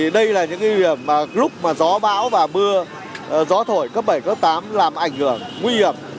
đây là những lực lượng mà lúc gió bão và mưa gió thổi cấp bảy cấp tám làm ảnh hưởng nguy hiểm